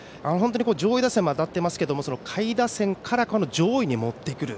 上位打線も当たっていますけども下位打線から上位に持ってくる。